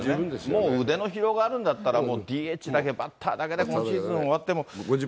もう腕の疲労があるんだったら、ＤＨだけ、バッターだけで今シーズン終わっても。